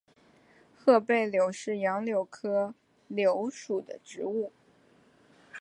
褐背柳是杨柳科柳属的植物。